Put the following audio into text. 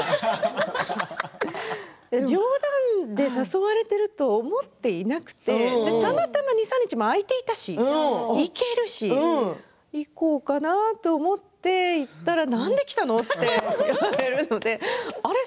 笑い声冗談で誘われていると思っていなくてたまたま２、３日空いていたし行けるし行こうかなと思って行ったらなんで来たの？って言われるのであれ？